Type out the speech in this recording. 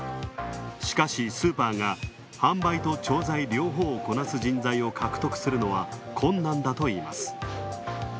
しかし、スーパーが販売と調剤両方をこなす人材を獲得するのは困難だといいます。